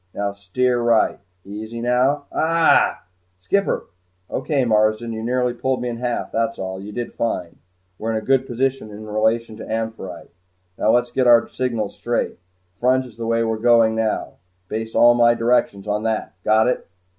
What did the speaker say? Now steer right easy now aagh!" "Skipper!" "Okay, Marsden. You nearly pulled me in half that's all. You did fine. We're in good position in relation to 'Amphitrite.' Now let's get our signals straight. Front is the way we're going now base all my directions on that got it?"